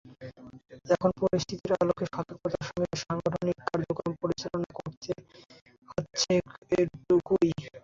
এখন পরিস্থিতির আলোকে সতর্কতার সঙ্গে সাংগঠনিক কার্যক্রম পরিচালনা করতে হচ্ছে, এটুকুই।